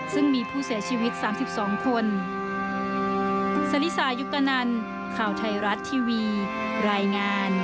ซึ่งมีผู้เสียชีวิต๓๒คน